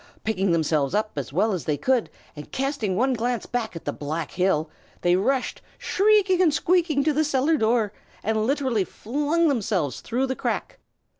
Picking themselves up as well as they could, and casting one glance back at the black hill, they rushed shrieking and squeaking to the cellar door, and literally flung themselves through the crack.